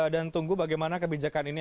dan tunggu bagaimana kebijakan ini